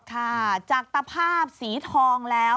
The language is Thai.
ค่ะจากตภาพสีทองแล้ว